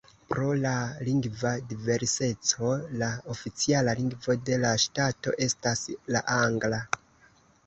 Pro la lingva diverseco la oficiala lingvo de la ŝtato estas la angla.